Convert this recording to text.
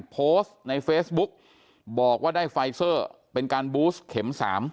โพสต์ในเฟซบุ๊กบอกว่าได้ไฟเซอร์เป็นการบูสเข็ม๓